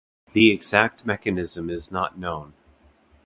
The exact mechanism is not known.